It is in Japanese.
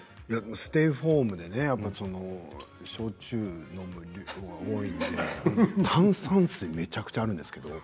ステイホームで焼酎を飲む量が多いので炭酸水はめちゃくちゃあるんですよ。